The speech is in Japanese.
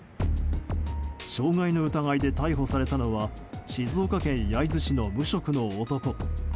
傷害の疑いで逮捕されたのは静岡県焼津市の無職の男。